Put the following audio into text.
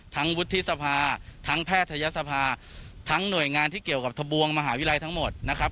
วุฒิสภาทั้งแพทยศภาทั้งหน่วยงานที่เกี่ยวกับทะบวงมหาวิทยาลัยทั้งหมดนะครับ